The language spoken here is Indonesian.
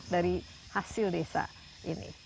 dari hasil desa ini